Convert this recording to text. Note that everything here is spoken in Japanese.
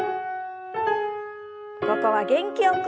ここは元気よく。